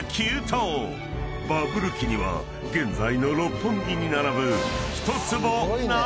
［バブル期には現在の六本木に並ぶ］